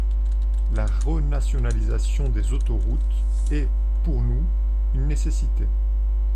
La renationalisation des autoroutes est, pour nous, une nécessité.